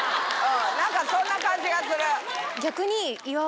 何かそんな感じがする。